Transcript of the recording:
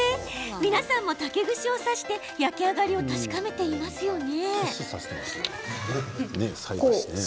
皆さんも竹串を刺して焼き上がりを確かめていますよね？